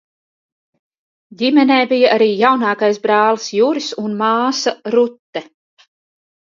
Ģimenē bija arī jaunākais brālis Juris un māsa Rute.